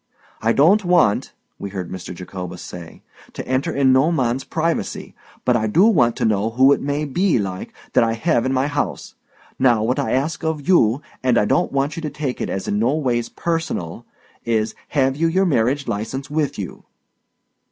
"I don't want," we heard Mr. Jacobus say, "to enter in no man's pry vacy; but I do want to know who it may be, like, that I hev in my house. Now what I ask of you, and I don't want you to take it as in no ways personal, is—hev you your merridge license with you?"